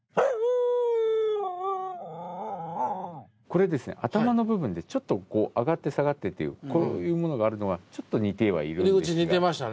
これですね頭の部分でちょっと上がって下がってっていうこういうものがあるのはちょっと似てはいるんですが。